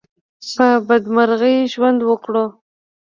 په بدمرغي ژوند وکړو.